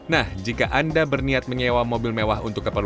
nah jika anda berniat menyewa mobil mewah untuk keperluan